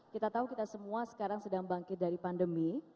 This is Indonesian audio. kita tahu kita semua sekarang sedang bangkit dari pandemi